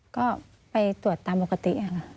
ก็ไปตรวจตามปกติค่ะ